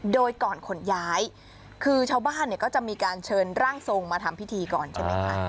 โดยก่อนขนย้ายคือชาวบ้านเนี่ยก็จะมีการเชิญร่างทรงมาทำพิธีก่อนใช่ไหมคะ